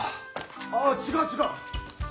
ああ違う違う。